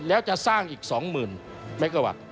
แล้วจะสร้างอีก๒๐๐๐เมกะวัตต์